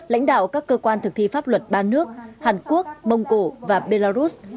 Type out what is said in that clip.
lãnh đạo các cơ quan thực thi pháp luật ba nước hàn quốc mông cổ và belarus